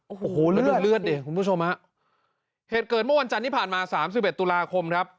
โอ้โหเลือดเลือดเนี่ยคุณผู้ชมนะเหตุเกิดเมื่อวันจันทร์นี้ผ่านมา๓๑ตุลาคมครับ